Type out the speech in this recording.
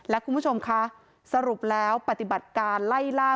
และคุณผู้ชมคะสรุปแล้วปฏิบัติการไล่ล่า